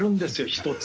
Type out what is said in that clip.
１つ。